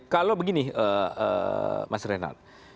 kalau begini mas renan